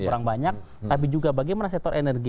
kurang banyak tapi juga bagaimana sektor energi